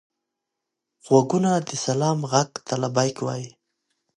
غوږونه د سلام غږ ته لبیک وايي